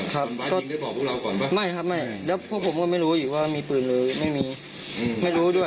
ครับไม่ครับไม่แล้วพวกผมก็ไม่รู้อีกว่ามีปืนหรือไม่มีไม่รู้ด้วย